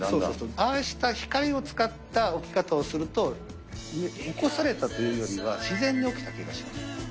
ああした光を使った起き方をすると、起こされたというよりは、自然に起きた気がします。